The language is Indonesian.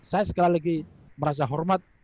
saya sekali lagi merasa hormat